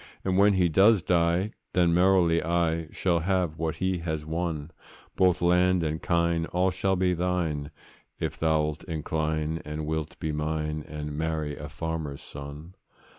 And when he does die, then merrily I Shall have what he has won; Both land and kine, all shall be thine, If thou'lt incline, and wilt be mine, And marry a farmer's son.